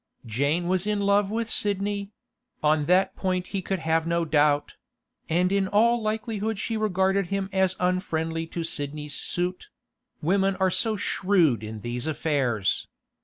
Jane was in love with Sidney; on that point he could have no doubt; and in all likelihood she regarded him as unfriendly to Sidney's suit—women are so shrewd in these affairs.